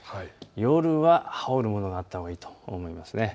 夜は羽織るものがあったほうがいいと思います。